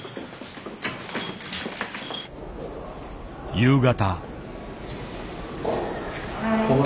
夕方。